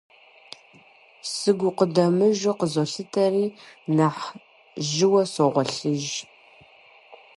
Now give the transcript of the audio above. Сыгукъыдэмыжу къызолъытэри, нэхъ жьыӀуэу согъуэлъыж.